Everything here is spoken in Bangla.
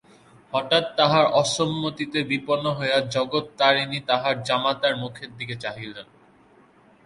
হঠাৎ তাহার অসম্মতিতে বিপন্ন হইয়া জগত্তারিণী তাঁহার জামাতার মুখের দিকে চাহিলেন।